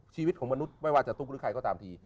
ชีวิตของมนุษย์ไม่ว่าจะตุ๊กหรือใครก็ตามที